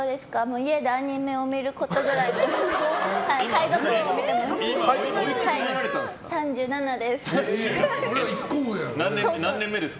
家でアニメを見ることぐらいです。